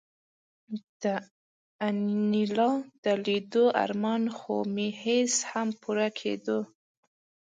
د انیلا د لیدو ارمان خو مې هسې هم پوره کېده